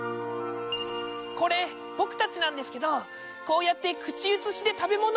これ僕たちなんですけどこうやって口移しで食べ物を分けるんです。